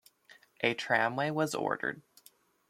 A tramway was ordered.